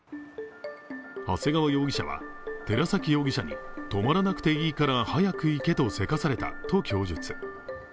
長谷川容疑者は、寺崎容疑者に止まらなくていいから早く行けとせかされたと供述。